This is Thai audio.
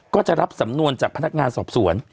ก็จะรับสำนวนจากพนักงานสอบสวน